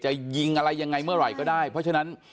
จะยิงอะไรยังไงเมื่อไหร่ก็ได้เพราะฉะนั้น